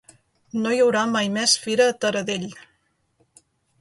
No hi haurà mai més fira a Taradell!